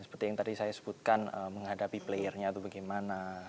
seperti yang tadi saya sebutkan menghadapi playernya itu bagaimana